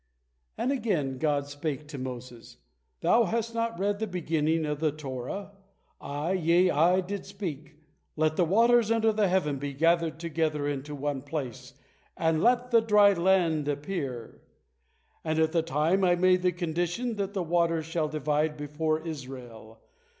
And again God spake to Moses: "Thou has not read the beginning of the Torah. I, yea, I, did speak, 'Let the waters under the heaven be gathered together unto one place, and let the dry land appear,' and at that time I made the condition that the waters shall divide before Israel.